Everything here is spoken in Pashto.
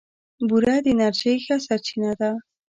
بوره د انرژۍ ښه سرچینه ده.